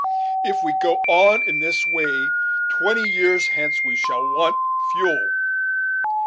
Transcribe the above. If we go on in this way, twenty years hence we shall want fuel."